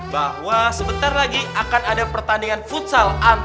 bahwa sebentar lagi akan ada pertandingan full time di ustazah aulia